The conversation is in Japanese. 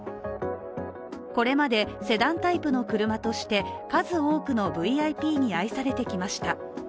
これまでセダンタイプの車として数多くのＶＩＰに愛されてきました。